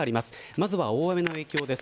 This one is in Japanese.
まずは大雨の影響です。